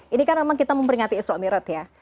ini kan memang kita memperingati isra' mi'raj ya